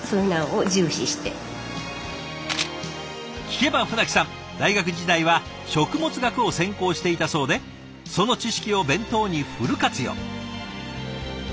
聞けば舩木さん大学時代は食物学を専攻していたそうでその知識を弁当にフル活用。